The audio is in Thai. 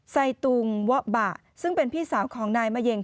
ไซตุงวะบะซึ่งเป็นพี่สาวของนายมะเย็ง